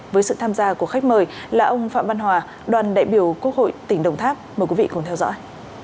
với sự tham gia của khách mời là ông phạm văn hòa đoàn đại biểu quốc hội tỉnh đồng tháp mời quý vị cùng theo dõi